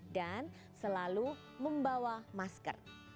dan selalu membawa masker